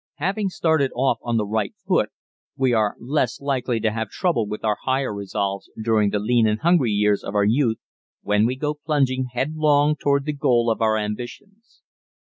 Having started off on the right foot, we are less likely to have trouble with our higher resolves during the lean and hungry years of our youth when we go plunging headlong toward the goal of our ambitions.